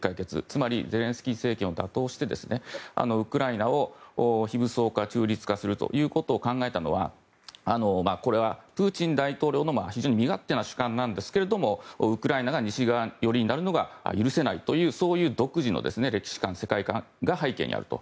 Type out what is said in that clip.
つまりゼレンスキー政権を打倒してウクライナを非武装化中立化するということを考えたのはこれはプーチン大統領の非常に身勝手な主観なんですがウクライナが西側寄りになるのが許せないというそういう独自の歴史観世界観が背景にあると。